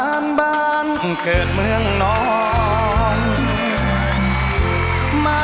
ช่วยฝังดินหรือกว่า